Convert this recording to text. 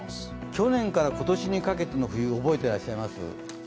去年から今年にかけての冬、覚えていらっしゃいます？